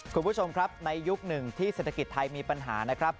คุณผู้ชมครับในยุคหนึ่งที่เศรษฐกิจไทยมีปัญหานะครับ